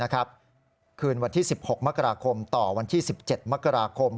คืนวันที่๑๖มกราคมต่อวันที่๑๗มกราคม